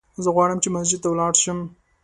زه غواړم چې مسجد ته ولاړ سم!